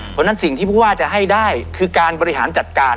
เพราะฉะนั้นสิ่งที่ผู้ว่าจะให้ได้คือการบริหารจัดการ